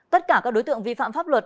tất cả các đối tượng vi phạm pháp luật